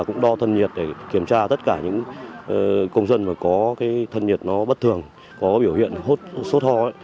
cũng đo thân nhiệt để kiểm tra tất cả những công dân có thân nhiệt bất thường có biểu hiện sốt ho